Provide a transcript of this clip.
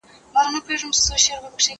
زه بايد انځور وګورم!!